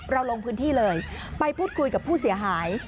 ลงพื้นที่เลยไปพูดคุยกับผู้เสียหาย